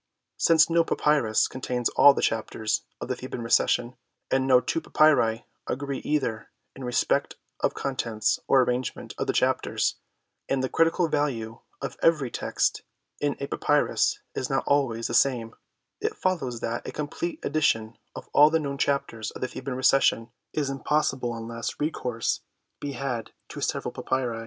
Since no papyrus contains all the Chapters of the Theban Recension, and no two papyri agree either in respect of contents or arrangement of the Chapters, and the critical value of every text in a papyrus is not always the same, it follows that a complete edition of all the known Chapters of the Theban Recension is impossible unless recourse be had to several papyri.